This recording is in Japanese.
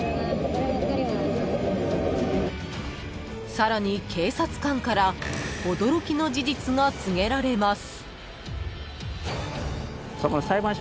［さらに警察官から驚きの事実が告げられます］